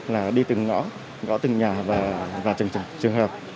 là đi từng ngõ ngõ từng nhà và trường hợp